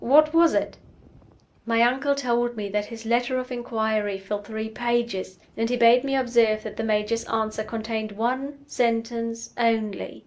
"What was it?" "My uncle told me that his letter of inquiry filled three pages, and he bade me observe that the major's answer contained one sentence only.